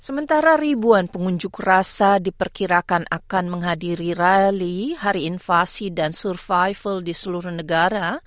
sementara ribuan pengunjuk rasa diperkirakan akan menghadiri rally hari invasi dan survival di seluruh negara